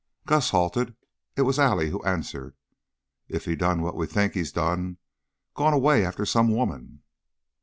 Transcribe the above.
Gus halted; it was Allie who answered: "If he's done what we think he's done gone away after some woman."